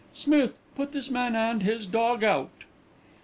"Smith, put this man and his dog out."